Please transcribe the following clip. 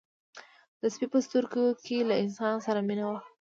د سپي په سترګو کې له انسان سره مینه وه.